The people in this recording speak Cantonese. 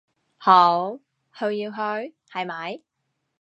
好，佢要去，係咪？